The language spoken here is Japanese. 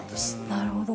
なるほど。